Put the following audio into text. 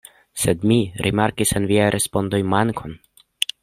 Sed mi rimarkis en viaj respondoj mankon.